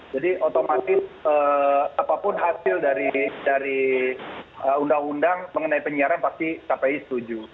jadi otomatis apapun hasil dari undang undang mengenai penyiaran pasti kpi setuju